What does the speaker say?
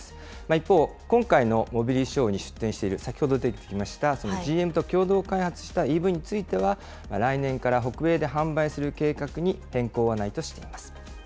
一方、今回のモビリティショーに出展している、先ほど出てきましたそのＧＭと共同開発したＥＶについては、来年から北米で販売する計画に変更はないとしています。